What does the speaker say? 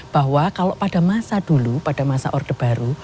bahwa kalau pada masa dulu pada masa orde baru